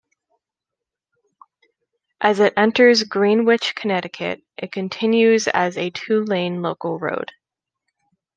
As it enters Greenwich, Connecticut, it continues as a two lane local road.